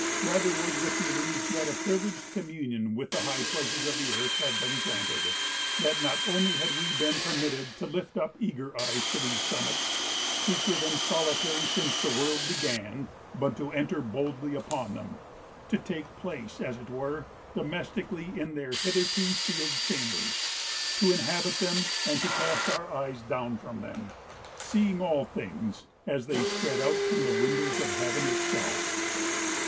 Rather was the feeling that a privileged communion with the high places of the earth had been granted; that not only had we been permitted to lift up eager eyes to these summits, secret and solitary since the world began, but to enter boldly upon them, to take place, as it were, domestically in their hitherto sealed chambers, to inhabit them, and to cast our eyes down from them, seeing all things as they spread out from the windows of heaven itself.